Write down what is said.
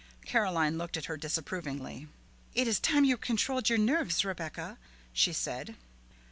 Caroline looked at her disapprovingly. "It is time you controlled your nerves, Rebecca," she said.